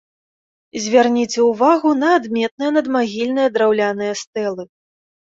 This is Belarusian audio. Звярніце ўвагу на адметныя надмагільныя драўляныя стэлы.